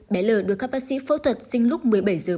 bé l được các bác sĩ phẫu thuật sinh lúc một mươi bảy h ba mươi